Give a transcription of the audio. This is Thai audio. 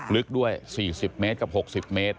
ลึกด้วย๔๐เมตรกับ๖๐เมตร